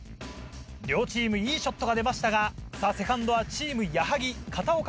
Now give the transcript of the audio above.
両チームいいショットが出ましたがセカンドはチーム矢作・片岡